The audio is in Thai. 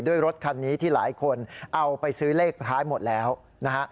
รถคันนี้ที่หลายคนเอาไปซื้อเลขท้ายหมดแล้วนะฮะ